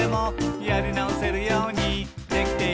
「やりなおせるようにできている」